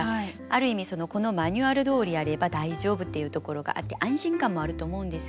ある意味このマニュアルどおりやれば大丈夫っていうところがあって安心感もあると思うんですけれども。